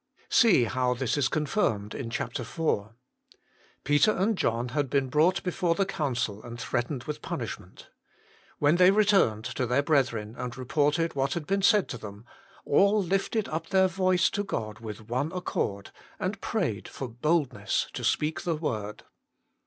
See how this is confirmed in chapter iv. Peter and John had been brought before the Council and threatened with punishment. When they returned to their brethren, and reported what had been said to them, " all lifted up their voice to God with one accord," and prayed for boldness to speak the word.